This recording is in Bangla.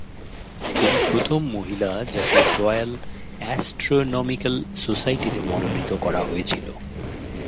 তিনি প্রথম মহিলা যাকে রয়েল অ্যাস্ট্রোনমিক্যাল সোসাইটিতে মনোনীত করা হয়েছিল।